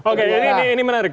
oke ini menarik